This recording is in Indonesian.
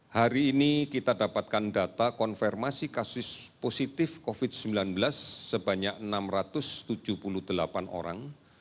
hari ini kita dapatkan data konfirmasi kasus positif covid sembilan belas sebanyak enam ratus tujuh puluh delapan orang